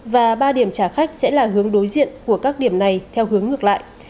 và ba điểm trả khách sẽ là hướng đối diện của các điểm này theo hướng ngược lại